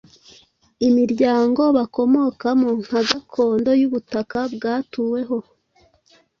imiryango bakomokamo nka gakondo y’ubutaka bwatuweho